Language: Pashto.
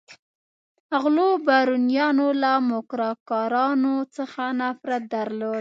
غلو بارونیانو له موکراکرانو څخه نفرت درلود.